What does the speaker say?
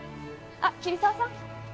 あっ桐沢さん。